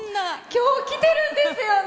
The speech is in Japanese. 今日、来てるんですよね。